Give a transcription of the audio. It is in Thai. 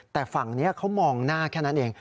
แต่ฝั่งนี้เขามองหน้าแค่นั้นเอง